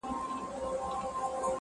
چي هوښیار طوطي ګونګی سو په سر پک سو-